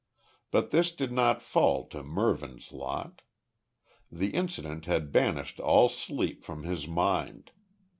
But this did not fall to Mervyn's lot. The incident had banished all sleep from his mind.